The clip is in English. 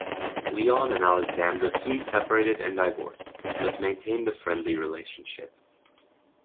Leon and Alexandra soon separated and divorced, but maintained a friendly relationship.